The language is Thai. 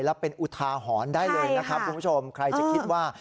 และเป็นอุทาหอนได้เลยใครจะคิดว่า